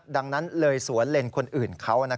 ดังนั้นเลยสวนเลนคนอื่นเขา